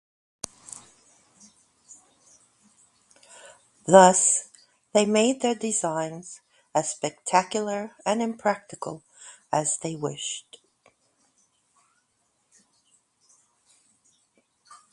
Thus, they made their designs as spectacular and impractical as they wished.